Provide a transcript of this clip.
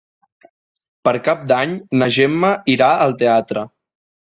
Per Cap d'Any na Gemma irà al teatre.